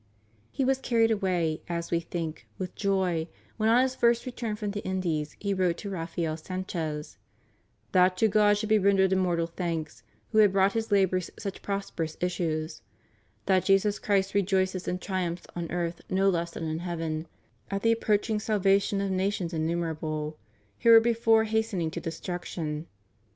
He was carried away, as we think, with joy, when on his first return from the Indies he wrote to Raphael Sanchez: "That to God should be rendered immortal thanks, who had brought his labors such pros perous issues; that Jesus Christ rejoices and triumphs on earth no less than in heaven, at the approaching sal vation of nations innumerable, who were before hastening to destruction."